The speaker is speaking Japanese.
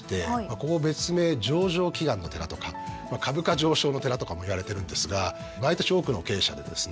ここ別名上場祈願の寺とか株価上昇の寺とかも言われてるんですが毎年多くの経営者でですね